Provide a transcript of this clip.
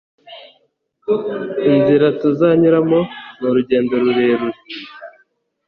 inzira tuzanyuramo, ni urugendo rurerure